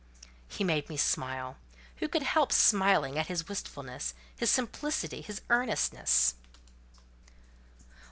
'" He made me smile. Who could help smiling at his wistfulness, his simplicity, his earnestness?